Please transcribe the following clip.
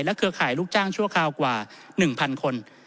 เครือข่ายลูกจ้างชั่วคราวกว่า๑๐๐คน